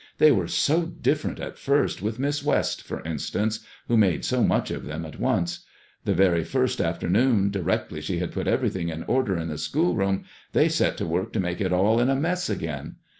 " They were so different at first with Miss West, for instance, who made so much of them at once. The very first afternoon, directly she had put everything in order in the schoolroom they set to work to make it all in a mess again.